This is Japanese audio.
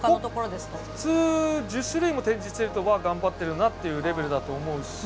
普通１０種類も展示してるとまあ頑張ってるなっていうレベルだと思うし。